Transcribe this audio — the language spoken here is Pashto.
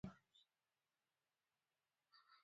زمرد د افغانانو د ژوند طرز اغېزمنوي.